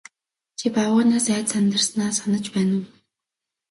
Чи баавгайгаас айж сандарснаа санаж байна уу?